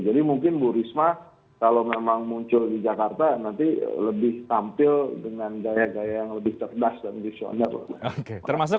jadi mungkin bu risma kalau memang muncul di jakarta nanti lebih tampil dengan daya daya yang lebih cerdas dan visioner